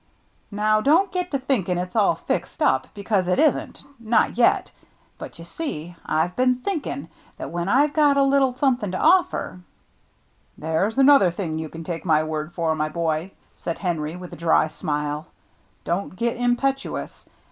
"Now don't get to thinking it's all fixed up, because it isn't — not yet. But you see, I've been thinking that when I've got a little something to offer —" 48 THE MERRT JNNE "There's another thing you can take my word for, my boy," said Henry, with a dry smile ;" don't get impetuous.